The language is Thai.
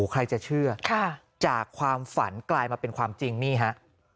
ใครจะเชื่อจากความฝันกลายมาเป็นความจริงนี่ฮะ